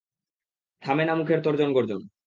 থামে না মুখের তর্জন-গর্জন।